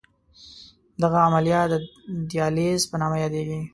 دغه عملیه د دیالیز په نامه یادېږي.